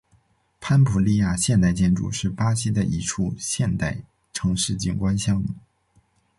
潘普利亚现代建筑是巴西的一处现代城市景观项目。